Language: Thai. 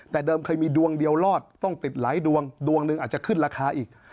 แต่เดิมเคยมีดวงเดียวรอดต้องติดหลายดวงดวงหนึ่งอาจจะขึ้นราคาอีก